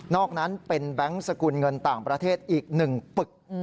อกนั้นเป็นแบงค์สกุลเงินต่างประเทศอีก๑ปึก